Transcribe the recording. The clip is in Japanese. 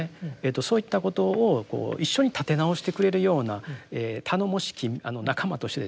そういったことを一緒に立て直してくれるような頼もしき仲間としてですね